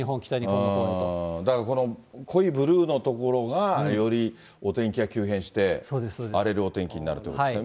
だからこの濃いブルーの所が、よりお天気が急変して、荒れるお天気になるということですね。